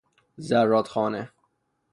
زرادخانه